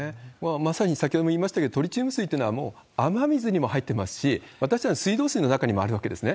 まさに先ほども言いましたけど、トリチウム水っていうのは、もう雨水にも入っていますし、私たちの水道水の中にもあるわけですね。